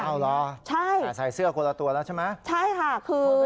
อ้าวเหรอใส่เสื้อกลัวละตัวแล้วใช่ไหมใช่ค่ะคือ